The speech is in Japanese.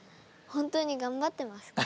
本当に頑張ってますか？